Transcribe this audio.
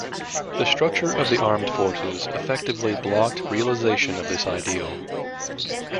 The structure of the armed forces effectively blocked realization of this ideal.